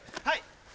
はい。